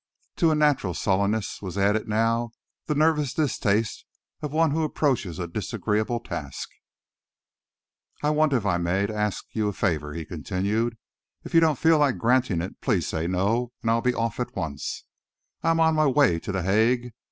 To a natural sullenness was added now the nervous distaste of one who approaches a disagreeable task. "I want, if I may, to ask you a favour," he continued. "If you don't feel like granting it, please say no and I'll be off at once. I am on my way to The Hague.